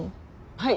はい。